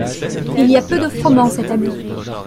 Il y a peu de froment cette année.